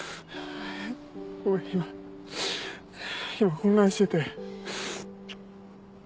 俺今今混乱してて。